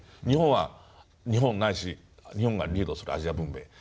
日本は日本ないし日本がリードするアジア文明。